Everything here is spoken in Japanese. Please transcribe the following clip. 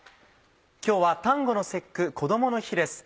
今日は端午の節句こどもの日です。